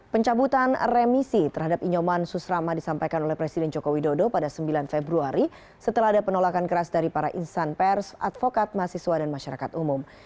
pencabutan remisi terhadap inyoman susrama disampaikan oleh presiden joko widodo pada sembilan februari setelah ada penolakan keras dari para insan pers advokat mahasiswa dan masyarakat umum